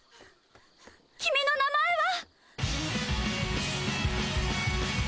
君の名前は？